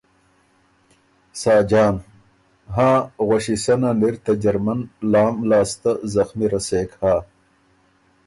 ساجان ـــ هاں غؤݭی سنن اِر ته جرمن لام لاسته زخمی رسېک هۀ۔